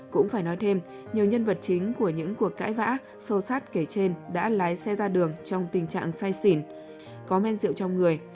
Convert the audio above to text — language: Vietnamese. cũng phải nói thêm nhiều nhân vật chính của những cuộc cãi vã sâu sát kể trên đã lái xe ra đường trong tình trạng say xỉn có men rượu trong người